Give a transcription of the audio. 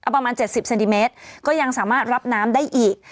ประมาณ๗๐เซนติเมตรก็ยังสามารถรับน้ำได้อีก